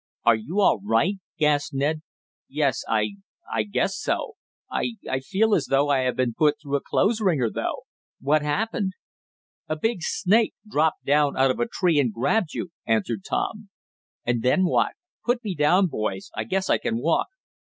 "Are you all right?" gasped Ned. "Yes I I guess so. I I feel as though I had been put through a clothes wringer though. What happened?" "A big snake dropped down out of a tree and grabbed you," answered Tom. "And then what? Put me down, boys, I guess I can walk."